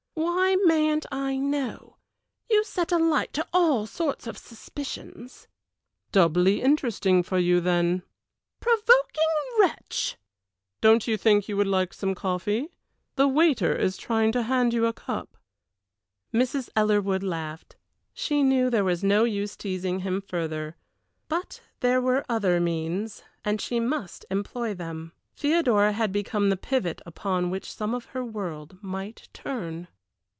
"Why mayn't I know? You set a light to all sorts of suspicions." "Doubly interesting for you, then." "Provoking wretch!" "Don't you think you would like some coffee? The waiter is trying to hand you a cup." Mrs. Ellerwood laughed. She knew there was no use teasing him further; but there were other means, and she must employ them. Theodora had become the pivot upon which some of her world might turn.